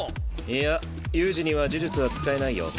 いや悠仁には呪術は使えないよ。